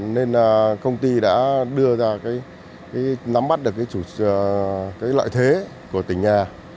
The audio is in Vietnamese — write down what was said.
nên công ty đã đưa ra nắm bắt được lợi thế của tỉnh nhà